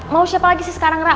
mau siapa lagi sih sekarang rak